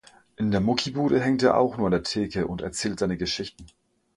In der Muckibude hängt er auch nur an der Theke und erzählt seine Geschichten.